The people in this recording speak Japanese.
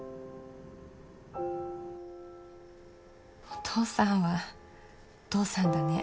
お父さんはお父さんだね。